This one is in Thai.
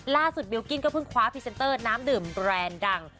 บิลกิ้นก็เพิ่งคว้าพรีเซนเตอร์น้ำดื่มแบรนด์ดัง